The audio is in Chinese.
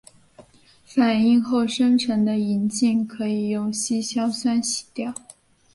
反应后生成的银镜可以用稀硝酸洗掉。